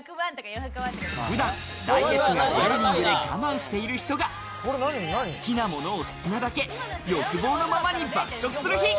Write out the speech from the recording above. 普段ダイエットやトレーニングで我慢している人が好きなものを好きなだけ欲望のままに爆食する日。